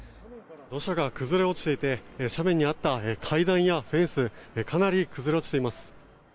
土砂が崩れ落ちていて階段やフェンスかなり崩れ落ちています。